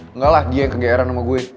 enggak lah dia yang kegeeran sama gue